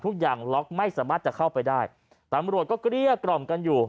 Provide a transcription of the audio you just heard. ทุกอย่างล็อกไม่สามารถจะเข้าไปได้ตำรวจก็เกลี้ยกล่อมกันอยู่